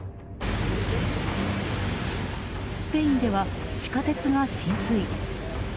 スペインでは地下鉄が浸水。